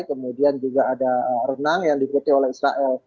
kemudian juga ada renang yang diikuti oleh israel